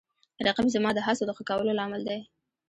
رقیب زما د هڅو د ښه کولو لامل دی